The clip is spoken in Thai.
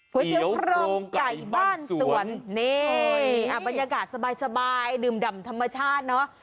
เตี๋ยวโครงไก่บ้านสวนนี่อ่ะบรรยากาศสบายดื่มดำธรรมชาติเนอะ